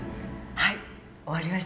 はい。